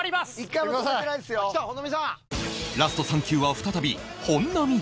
ラスト３球は再び本並ゾーン